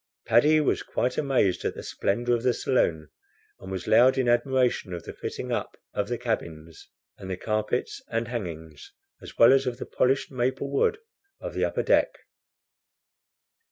Paddy was quite amazed at the splendor of the saloon, and was loud in admiration of the fitting up of the cabins, and the carpets and hangings, as well as of the polished maple wood of the upper deck.